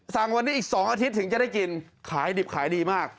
สั่งวันนี้อีก๒อาทิตย์ถึงจะได้กินขายดิบขายดีมาก